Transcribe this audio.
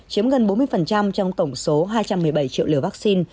chiếm gần bốn mươi trong tổng số hai trăm một mươi bảy triệu liều vaccine